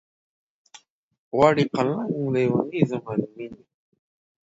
غواړي قلنګ لېونے زما د مينې